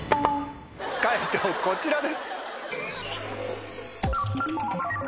解答こちらです。